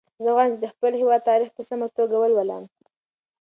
زه غواړم چې د خپل هېواد تاریخ په سمه توګه ولولم.